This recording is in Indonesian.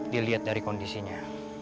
dilihat dari kondisinya